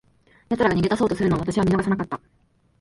奴らが逃げ出そうとするのを、私は見逃さなかった。